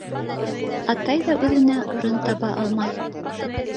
Атай ҙа үҙенә урын таба алмай.